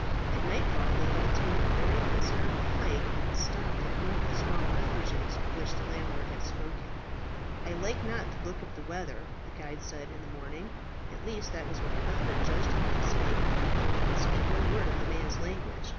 At nightfall they had attained a very considerable height, and stopped at one of the small refuges of which the landlord had spoken. "I like not the look of the weather," the guide said in the morning at least that was what Cuthbert judged him to say, for he could speak no word of the man's language.